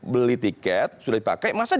beli tiket sudah dipakai masa